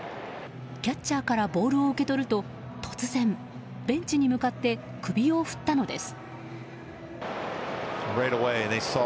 キャッチャーからボールを受け取ると突然ベンチに向かって首を振ったのです。